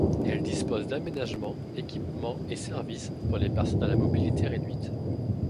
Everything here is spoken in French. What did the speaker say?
Elle dispose d'aménagement, équipements et services pour les personnes à la mobilité réduite.